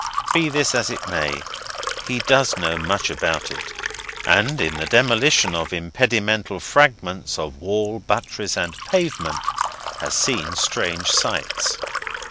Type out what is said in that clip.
Be this as it may, he does know much about it, and, in the demolition of impedimental fragments of wall, buttress, and pavement, has seen strange sights.